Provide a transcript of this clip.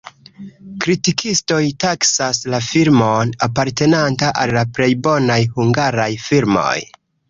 Kritikistoj taksas la filmon apartenanta al la plej bonaj hungaraj filmoj.